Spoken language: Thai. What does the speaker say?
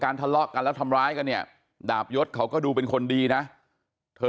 ทะเลาะกันแล้วทำร้ายกันเนี่ยดาบยศเขาก็ดูเป็นคนดีนะเธอ